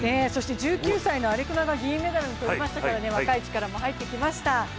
１９歳のアレクナが銀メダルでしたから若い力も入ってきました。